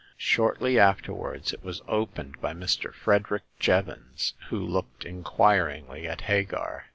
Shortly afterwards it was opened by Mr. Frederick Jevons, who looked in quiringly at Hagar.